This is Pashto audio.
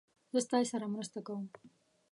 زه ستاسې سره مرسته وکړم.